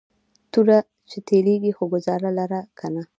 توره چې تیرېږي خو گزار لره کنه